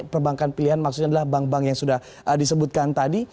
perbankan pilihan maksudnya adalah bank bank yang sudah disebutkan tadi